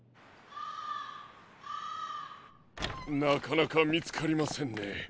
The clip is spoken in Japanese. なかなかみつかりませんね。